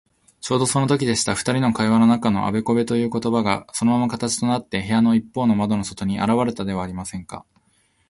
ちょうどそのときでした。ふたりの会話の中のあべこべということばが、そのまま形となって、部屋のいっぽうの窓の外にあらわれたではありませんか。